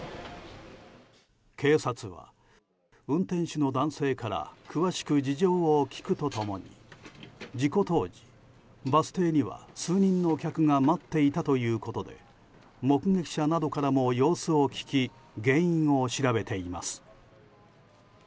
警察は運転手の男性から詳しく事情を聴くとともに事故当時、バス停には数人の客が待っていたということで目撃者などからも様子を聞き原因を調べています。